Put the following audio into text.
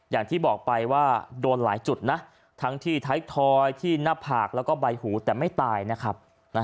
อย่างที่บอกไปว่าโดนหลายจุดนะทั้งที่ท้ายทอยที่หน้าผากแล้วก็ใบหูแต่ไม่ตายนะครับ